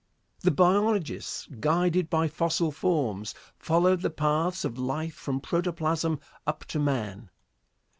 The biologists, guided by fossil forms, followed the paths of life from protoplasm up to man.